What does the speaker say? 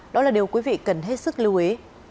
đó là điều quý vị cần hết sức lưu ý